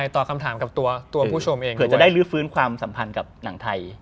ตอบคำถามกับตัวผู้ชมเองเผื่อจะได้ลื้อฟื้นความสัมพันธ์กับหนังไทย